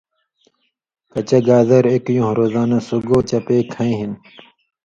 کچہ گازریۡ ایک یُون٘ہہۡ روزانہ سُگو چپے کَھیں ہِن